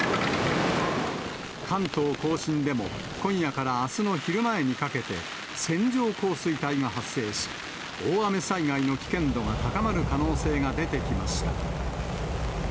関東甲信でも、今夜からあすの昼前にかけて、線状降水帯が発生し、大雨災害の危険度が高まる可能性が出てきました。